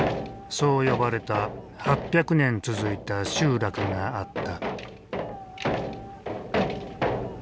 そう呼ばれた８００年続いた集落があった。